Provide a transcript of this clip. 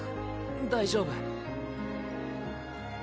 大丈夫。